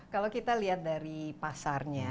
kalau kita lihat dari pasarnya